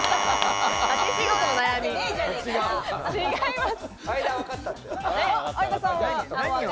違います。